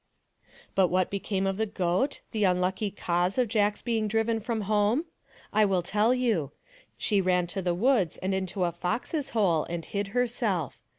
But what became of the goat, the unlucky cause of Jack's being driven from home? I will tell you. She ran to the woods and into a fox's hole and hid herself.